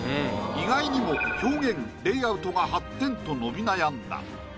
意外にも表現・レイアウトが８点と伸び悩んだ。